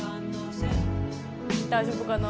大丈夫かな？